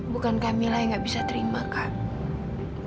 bukan kak mila yang nggak bisa terima kak